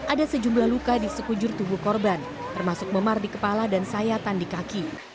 ada sejumlah luka di sekujur tubuh korban termasuk memar di kepala dan sayatan di kaki